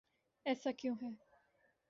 ایسا کیوں ہے؟